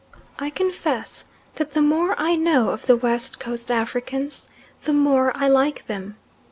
I confess that the more I know of the West Coast Africans the more I like them.